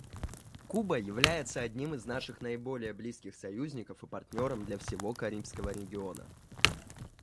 Куба является одним из наших наиболее близких союзников и партнером для всего Карибского региона.